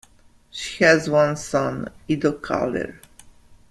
She has one son, Ido Kalir.